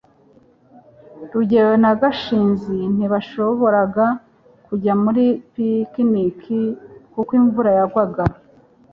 rugeyo na gashinzi ntibashoboraga kujya muri picnic kuko imvura yagwaga